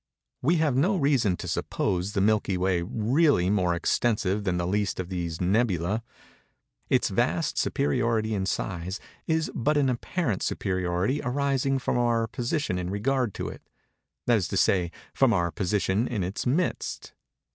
We have no reason to suppose the Milky Way really more extensive than the least of these "nebulæ." Its vast superiority in size is but an apparent superiority arising from our position in regard to it—that is to say, from our position in its midst.